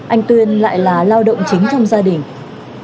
anh tuyên lại là lao động chính trong gia đình